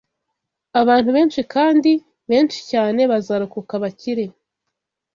abantu benshi kandi benshi cyane bazarokoka bakire